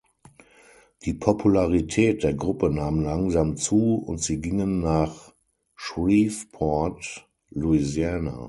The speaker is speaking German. Die Popularität der Gruppe nahm langsam zu, und sie gingen nach Shreveport, Louisiana.